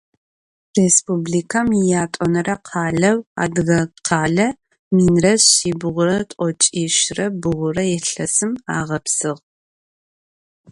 Rêspublikem yiyat'onere khaleu Adıgekhale minre şsibğure t'oç'işre bğure yilhesım ağepsığ.